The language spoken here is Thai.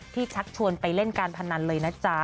ชักชวนไปเล่นการพนันเลยนะจ๊ะ